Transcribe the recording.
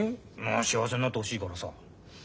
幸せになってほしいからさ。